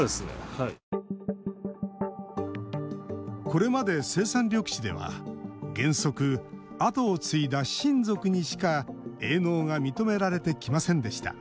これまで生産緑地では原則、後を継いだ親族にしか営農が認められてきませんでした。